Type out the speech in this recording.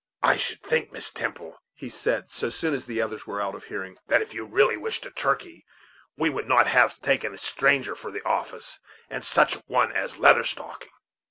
"I should think, Miss Temple," he said, so soon as the others were out of hearing, "that if you really wished a turkey, you would not have taken a stranger for the office, and such a one as Leather Stocking.